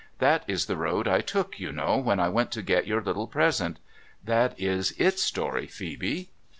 ' That is the road I took, you know, when I went to get your little present. That is its story, Phoebe.'